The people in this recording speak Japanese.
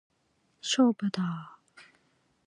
勝負だー！